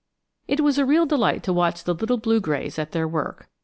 It was a real delight to watch the little blue grays at their work.